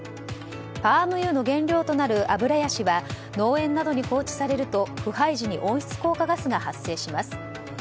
パーム油の原料となるアブラヤシは農園などに放置されると腐敗時に温室効果ガスが発生します。